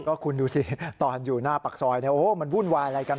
ก็คุณดูสิตอนอยู่หน้าปากซอยมันวุ่นวายอะไรกัน